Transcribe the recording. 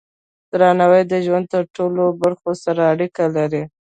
درناوی د ژوند د ټولو برخو سره اړیکه لري.